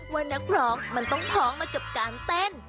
ว่านักร้องมันต้องพ้องมากับการเต้น